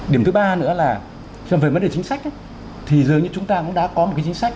điểm thứ ba nữa là xem về vấn đề chính sách thì dường như chúng ta cũng đã có một cái chính sách